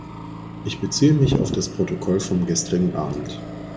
Ich beziehe mich auf das Protokoll vom gestrigen Abend.